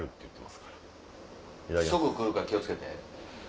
すぐ来るから気を付けて。